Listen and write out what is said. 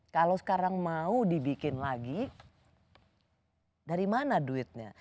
kalau sekarang mau dibikin lagi dari mana duitnya